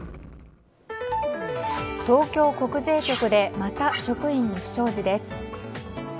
東京国税局でまた職員に不祥事です。